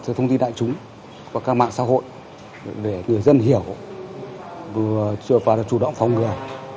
loại thông tin đại chúng và các mạng xã hội để người dân hiểu vừa chưa phá ra chủ động phòng ngừa